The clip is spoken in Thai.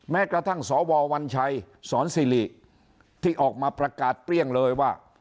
แม้กระทั่งสววัญชัยสอนสิริที่ออกมาประกาศเปรี้ยงเลยว่า